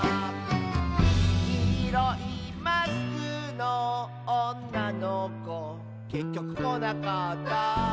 「きいろいマスクのおんなのこ」「けっきょくこなかった」